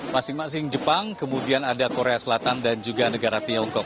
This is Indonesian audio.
masing masing jepang kemudian ada korea selatan dan juga negara tiongkok